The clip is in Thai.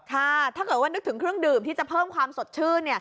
ถ้าเกิดว่านึกถึงเครื่องดื่มที่จะเพิ่มความสดชื่น